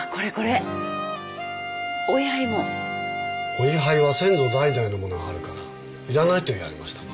お位牌は先祖代々のものがあるから要らないと言われましたが。